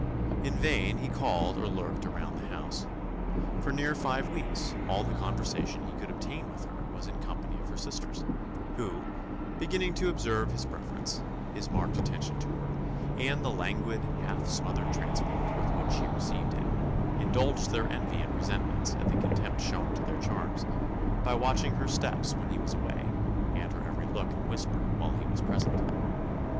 In vain he called or lurked around the house; for near five weeks all the conversation he could obtain with her was in the company of her sisters, who, beginning to observe his preference, his marked attention to her, and the languid, half smothered transport with which she received it, indulged their envy and resentment at the contempt shown to their charms, by watching her steps when he was away, and her every look and whisper while he was present.